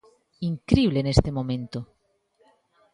Incrible neste momento.